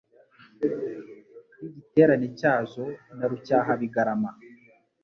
N' igiterane cyazo, Na Rucyahabigarama,